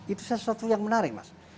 itu sesuatu yang menarik mas